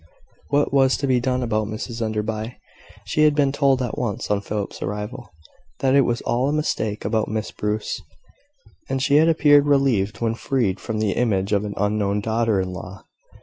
What was to be done about Mrs Enderby? She had been told at once, on Philip's arrival, that it was all a mistake about Miss Bruce; and she had appeared relieved when freed from the image of an unknown daughter in law.